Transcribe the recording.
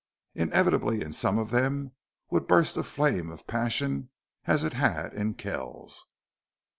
Inevitably in some of them would burst a flame of passion as it had in Kells.